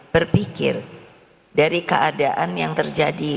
berpikir dari keadaan yang terjadi